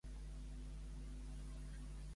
De què afirma que no està al corrent Pacheco?